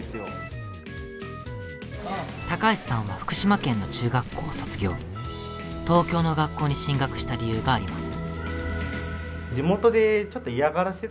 橋さんは福島県の中学校を卒業東京の学校に進学した理由があります。